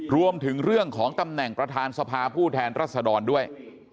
รวมถึงเรื่องของตำแหน่งประธานสภาผู้แทนรัศดรด้วย